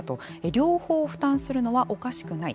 両方負担するのはおかしくない。